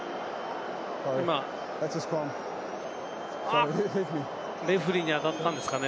今レフェリーに当たったんですかね。